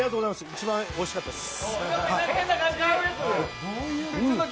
一番おいしかったです。